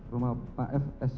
rumah pak fs